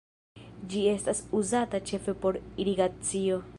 Ĝi estas uzata ĉefe por irigacio.